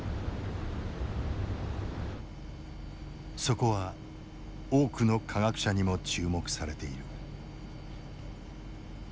そこは多くの科学者にも注目されている。